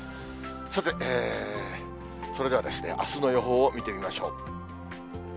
さて、それではですね、あすの予報を見てみましょう。